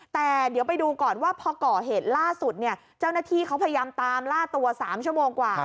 แต่เดี๋ยวไปดูก่อนว่าพอก่อเหตุล่าสุดเนี่ยเจ้าหน้าที่เขาพยายามตามล่าตัว๓ชั่วโมงกว่า